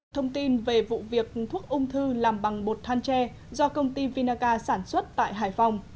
thông tin về vụ việc thuốc ung thư làm bằng bột than tre do công ty vinaca sản xuất tại hải phòng